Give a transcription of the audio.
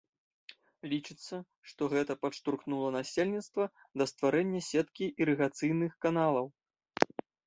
Лічыцца, што гэта падштурхнула насельніцтва да стварэння сеткі ірыгацыйных каналаў.